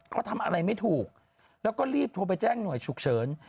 เขาทำอะไรไม่ถูกแล้วก็รีบโทรไปแจ้งหน่วยฉุกเฉิน